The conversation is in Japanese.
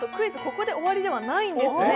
ここで終わりではないんですね。